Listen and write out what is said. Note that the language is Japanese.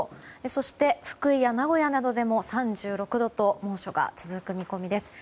そして福井や名古屋などでも３６度と猛暑が続く見込みです。